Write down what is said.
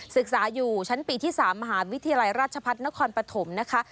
ศึกษาอยู่ชั้นปีที่๓มหาวิทยาลัยราชพัฒนครปฐมนะคะ